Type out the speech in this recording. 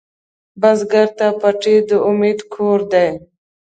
بزګر ته پټی د امید کور دی